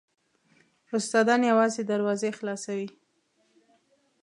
استادان یوازې دروازې خلاصوي .